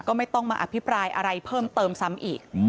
ก็ไม่ต้องมาอภิปรายอะไรเพิ่มเติมซ้ำอีก